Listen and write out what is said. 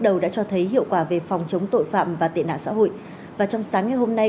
đầu đã cho thấy hiệu quả về phòng chống tội phạm và tệ nạn xã hội và trong sáng ngày hôm nay